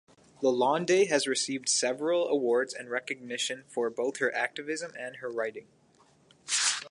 Lalonde has received several awards and recognition for both her activism and her writing.